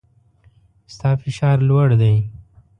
ستا فشار لوړ دی